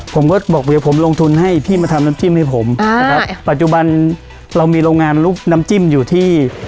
ผมก็บอกเดี๋ยวผมลงทุนให้พี่มาทำน้ำจิ้มให้ผมอ่านะครับปัจจุบันเรามีโรงงานลูกน้ำจิ้มอยู่ที่